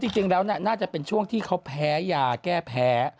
จริงแล้วน่าจะเป็นช่วงที่เขาแพ้ยาแก้แพ้